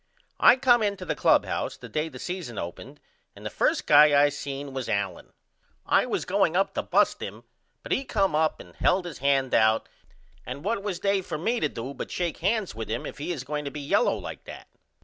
I come into the clubhouse the day the season opened and the 1st guy I seen was Allen. I was going up to bust him but he come up and held his hand out and what was they for me to do but shake hands with him if he is going to be yellow like that?